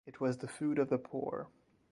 It was the food of the poor.